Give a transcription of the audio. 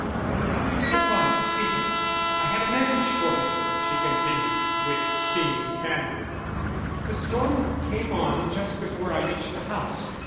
"I went to the farm to see him I had a message for him," she continued, with seeming candour. "The storm came on just before I reached the house.